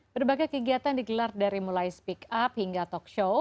berbagai kegiatan digelar dari mulai speak up hingga talk show